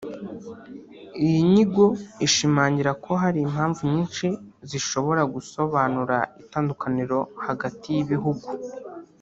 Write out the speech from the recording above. Iyi nyigo ishimangira ko hari impanvu nyinshi zishobora gusobanura itandukaniro hagati y’ibihungu